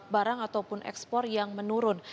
barang ataupun ekspor yang menurun